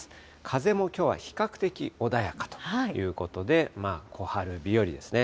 風もきょうは比較的穏やかということで、小春日和ですね。